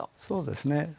そうですね。